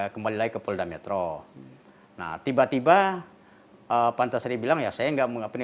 kembali lagi ke polda metro nah tiba tiba pantas hari bilang ya saya enggak mengapaini